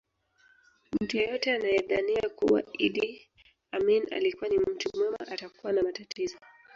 Mtu yeyote anayedhania kuwa Idi Amin alikuwa ni mtu mwema atakuwa na matatizo